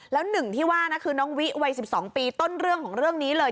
แล้วหนึ่งที่ว่านะคือน้องวิวัย๑๒ปีต้นเรื่องของเรื่องนี้เลย